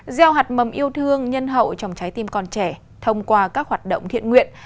gieo hạt mầm yêu thương nhân hậu trong trái tim con trẻ thông qua các hoạt động thiện nguyện